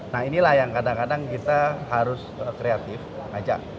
nah inilah yang kadang kadang kita harus kreatif ngajak